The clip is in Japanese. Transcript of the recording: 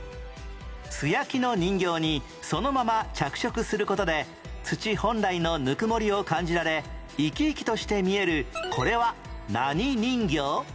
素焼きの人形にそのまま着色する事で土本来のぬくもりを感じられ生き生きとして見えるこれは何人形？